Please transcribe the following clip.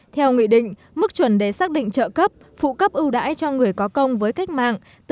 theo nghị định mức chuẩn đề xác cấp sẽ được tăng trợ cấp theo nghị định số chín trăm chín mươi hai nghìn một mươi tám của chính phủ